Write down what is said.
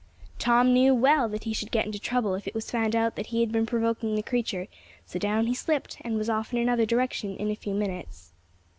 Tom knew well that he should get into trouble if it was found out that he had been provoking the creature; so down he slipped, and was off in another direction in a few minutes.